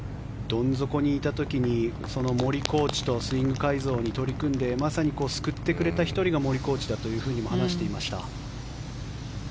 どん底にいた時に森コーチとスイング改造に取り組んでまさに救ってくれた１人が森コーチだとも話していました。